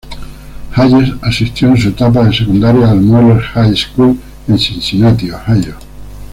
Hayes asistió en su etapa de secundaria al Moeller High School en Cincinnati, Ohio.